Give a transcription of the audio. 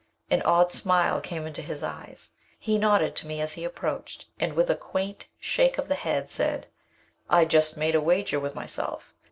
An odd smile came into his eyes. He nodded to me as he approached, and, with a quaint shake of the head, said: "I just made a wager with myself.